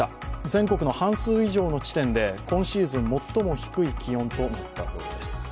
全国の半数以上の地点で今シーズン最も低い気温となったそうです。